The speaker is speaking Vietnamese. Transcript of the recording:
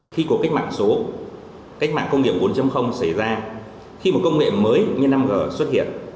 khi cuộc cách mạng số cách mạng công nghiệp bốn xảy ra khi một công nghệ mới như năm g xuất hiện